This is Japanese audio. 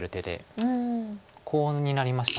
コウになりました。